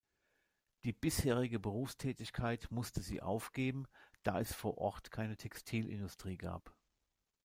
Die bisherige Berufstätigkeit musste sie aufgeben, da es vor Ort keine Textilindustrie gab.